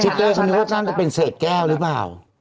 เตอร์ฉันนึกว่าท่านจะเป็นเศษแก้วหรือเปล่า